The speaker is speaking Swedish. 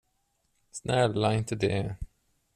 Snälla, inte det.